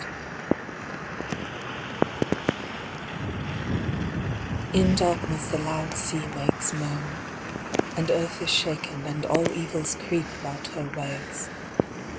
The Charm In darkness the loud sea makes moan; And earth is shaken, and all evils creep About her ways.